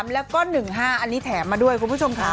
แล้วก็๑๕อันนี้แถมมาด้วยคุณผู้ชมค่ะ